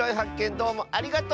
どうもありがとう！